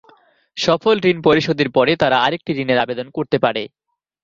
সফল ঋণ পরিশোধের পরে তারা আরেকটি ঋণের আবেদন করতে পারে।